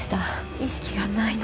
意識がないの。